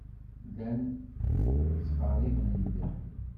Llan ttqerriben-d.